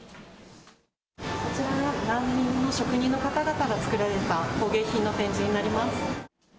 こちらが難民の職人の方々が作られた工芸品の展示になります。